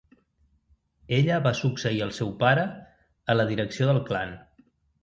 Ella va succeir al seu pare a la direcció del clan.